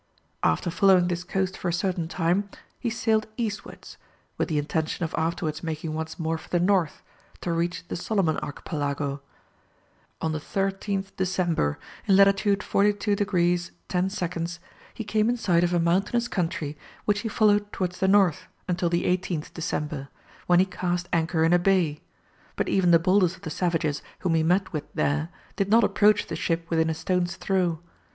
After following this coast for a certain time, he sailed eastwards, with the intention of afterwards making once more for the north, to reach the Solomon Archipelago. On the 13th December, in latitude 42 degrees 10 minutes, he came in sight of a mountainous country which he followed towards the north, until the 18th December, when he cast anchor in a bay; but even the boldest of the savages whom he met with there, did not approach the ship within a stone's throw.